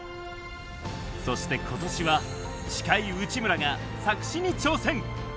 そして今年は司会・内村が作詞に挑戦！